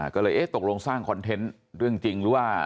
ก็เลยเอ๊ะตกลงสร้างคอนเทนต์เรื่องจริงหรือว่า